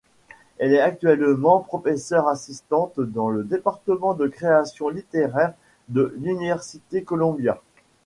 Elle est actuellement professeur assistante dans le département de création littéraire de l'Université Columbia.